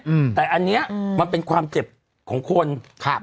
อืมแต่อันเนี้ยอืมมันเป็นความเจ็บของคนครับ